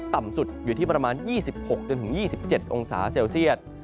ต่ำสุดอยู่ที่ประมาณ๒๖๒๗องศาเซลเซียต